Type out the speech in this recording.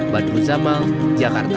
badu zama jakarta